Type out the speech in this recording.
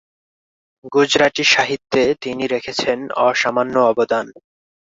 গুজরাটি সাহিত্যে তিনি রেখেছেন অসামান্য অবদান।